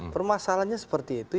permasalahannya seperti itu